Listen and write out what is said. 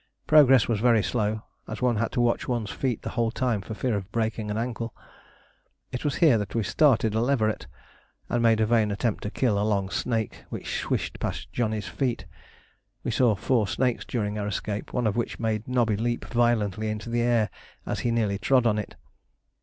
Progress was very slow, as one had to watch one's feet the whole time for fear of breaking an ankle. It was here that we started a leveret, and made a vain attempt to kill a long snake which swished past Johnny's feet. We saw four snakes during our escape one of which made Nobby leap violently into the air as he nearly trod on it.